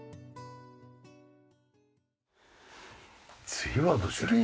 次はどちらへ？